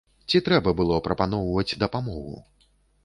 Ці трэба было прапаноўваць дапамогу?